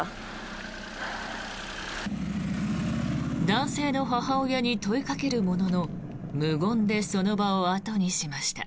男性の母親に問いかけるものの無言でその場を後にしました。